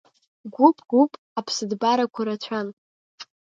Гәыԥ-гәыԥ аԥсыҭбарақәа рацәан.